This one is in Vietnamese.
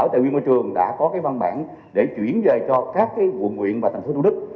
ủy ban nhân dân tp hcm đã có văn bản để chuyển về cho các quận nguyện và thành phố đô đức